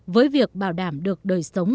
với việc bảo đảm được đời sống